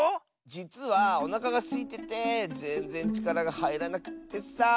じつはおなかがすいててぜんぜんちからがはいらなくってさ。